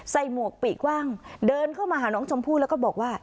หมวกปีกกว้างเดินเข้ามาหาน้องชมพู่แล้วก็บอกว่า